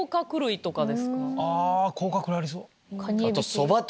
あ甲殻類ありそう。